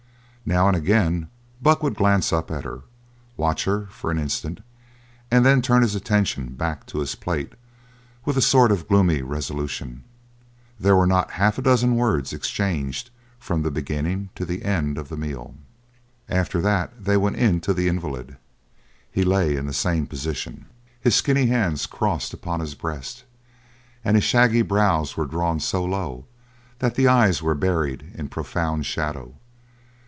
Now and again Buck would glance up at her, watch her for an instant, and then turn his attention back to his plate with a sort of gloomy resolution; there were not half a dozen words exchanged from the beginning to the end of the meal. After that they went in to the invalid. He lay in the same position, his skinny hands crossed upon his breast, and his shaggy brows were drawn so low that the eyes were buried in profound shadow.